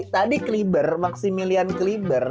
tadi kliber maximilian kliber